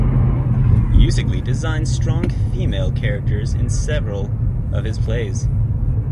Usigli designed strong female characters in several of his plays.